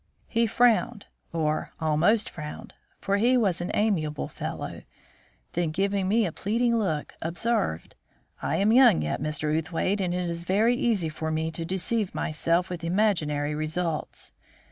He frowned, or almost frowned, for he was an amiable fellow; then, giving me a pleading look, observed: "I am young yet, Mr. Outhwaite, and it is very easy for me to deceive myself with imaginary results.